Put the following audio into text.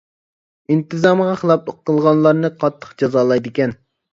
ئىنتىزامغا خىلاپلىق قىلغانلارنى قاتتىق جازالايدىكەن.